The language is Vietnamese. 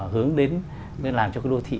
hướng đến làm cho đô thị